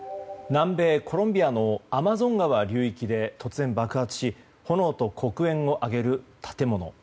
南米コロンビアのアマゾン川流域で突然爆発し炎と黒煙を上げる建物。